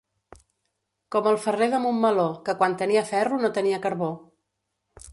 Com el ferrer de Montmeló, que quan tenia ferro no tenia carbó.